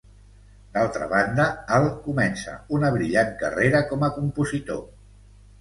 D'altra banda, Al comença una brillant carrera com a compositor.